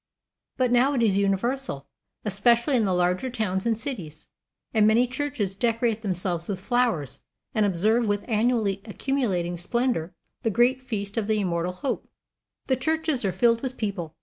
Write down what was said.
But now it is universal, especially in the larger towns and cities, and many churches decorate themselves with flowers, and observe with annually accumulating splendor the great feast of the immortal hope. The churches are filled with people.